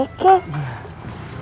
iya ini untuk mbak kiki